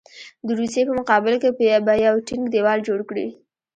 د روسیې په مقابل کې به یو ټینګ دېوال جوړ کړي.